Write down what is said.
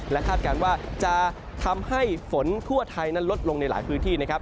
และคาดการณ์ว่าจะทำให้ฝนทั่วไทยนั้นลดลงในหลายพื้นที่นะครับ